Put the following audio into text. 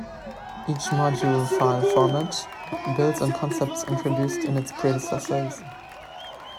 Each module file format builds on concepts introduced in its predecessors.